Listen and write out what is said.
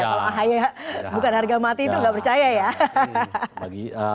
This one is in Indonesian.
kalau ahy bukan harga mati itu nggak percaya ya